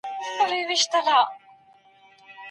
قومانده ورکول د مشرانو کار دی.